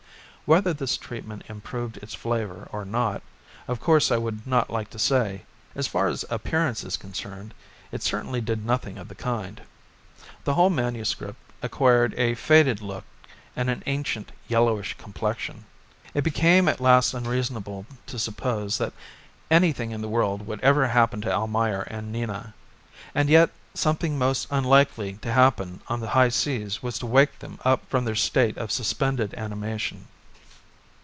Whether this treatment improved its flavour or not, of course I would not like to say. As far as appearance is concerned it certainly did nothing of the kind. The whole MS. acquired a faded look and an ancient, yellowish complexion. It became at last unreasonable to suppose that anything in the world would ever happen to Almayer and Nina. And yet something most unlikely to happen on the high seas was to wake them up from their state of suspended animation.